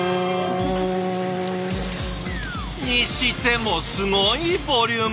にしてもすごいボリューム。